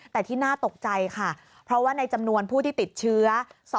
แต่ที่น่าตกใจค่ะเพราะว่าในจำนวนผู้ที่ติดเชื้อ